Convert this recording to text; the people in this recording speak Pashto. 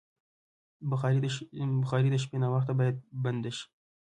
بخاري د شپې ناوخته باید بنده شي.